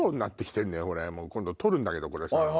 今度取るんだけどさ。